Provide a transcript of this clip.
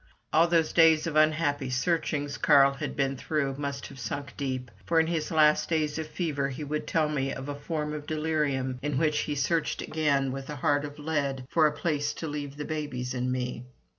All those days of unhappy searchings Carl had been through must have sunk deep, for in his last days of fever he would tell me of a form of delirium in which he searched again, with a heart of lead, for a place to leave the babies and me.